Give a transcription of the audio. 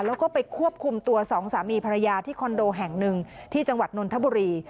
แล้วก็ไปควบคุมตัวสองสามีภรรยาที่คอนโดแห่งหนึ่งที่จังหวัดนนทบุรี